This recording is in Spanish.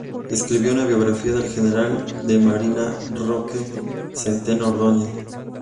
Escribió una biografía del general de Marina Roque Centeno Ordoñez